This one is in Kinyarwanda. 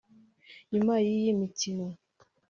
nyuma y'iyi mikino